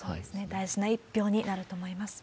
大事な一票になると思います。